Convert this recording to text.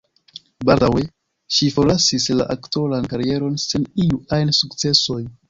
Baldaŭe ŝi forlasis la aktoran karieron sen iu ajn sukcesoj.